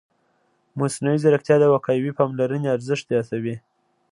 مصنوعي ځیرکتیا د وقایوي پاملرنې ارزښت زیاتوي.